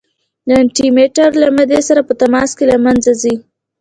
د انټي مټر له مادې سره په تماس کې له منځه ځي.